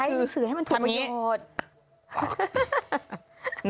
ให้หนังสือให้ถูกประโยชน์